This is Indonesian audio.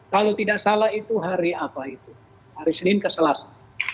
kalau tidak salah itu hari apa itu hari senin ke selasa